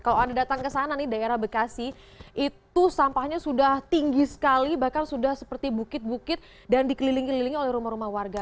kalau anda datang ke sana nih daerah bekasi itu sampahnya sudah tinggi sekali bahkan sudah seperti bukit bukit dan dikelilingi kelilingi oleh rumah rumah warga